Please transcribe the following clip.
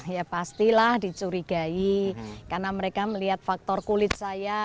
ya pastilah dicurigai karena mereka melihat faktor kulit saya